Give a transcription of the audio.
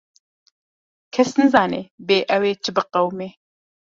Kes nizane bê ew ê çi biqewime.